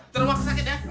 ke rumah sakit ya